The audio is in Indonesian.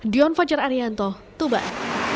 dion fajar arianto tuban